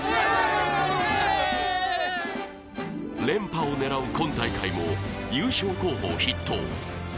連覇を狙う今大会も優勝候補筆頭。